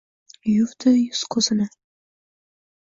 Yuvdi yuzi-ko‘zini